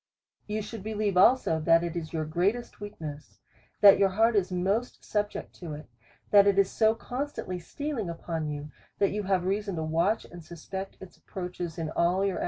You should believe also, that it is your greatest weakness, that your heart is most subject to it, that it is so constantly stealing upon you, that you have rea son to watch and suspect its approaches in all your ^.